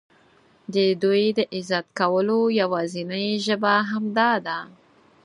د دوی د عزت کولو یوازینۍ ژبه همدا ده.